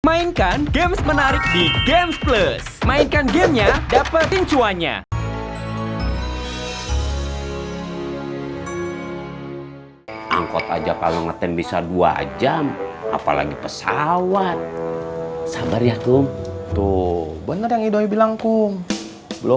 mainkan games menarik di gamesplus